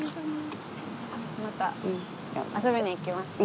また遊びに行きますね。